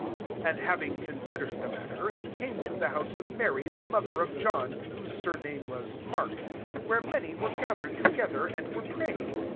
iSAndkav ing considered the matter, he came to the house of Mary, the mother of John, whose BWf name was Mark ; where manj were gathered together, and were praying.